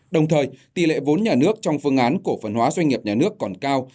đồng thời tỷ lệ vốn nhà nước trong phương án cổ phần hóa doanh nghiệp nhà nước còn cao